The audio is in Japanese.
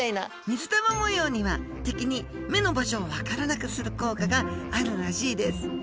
水玉模様には敵に目の場所を分からなくする効果があるらしいです。